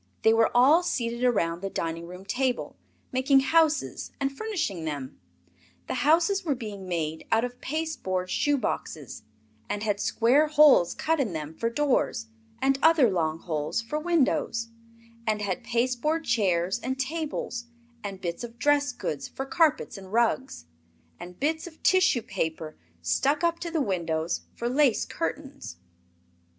They were all seated around the dining room table, making houses and furnishing them. The houses were being made out of pasteboard shoe boxes, and had square holes cut in them for doors, and other long holes for windows, and had pasteboard chairs and tables, and bits of dress goods for carpets and rugs, and bits of tissue paper stuck up to the windows for lace curtains.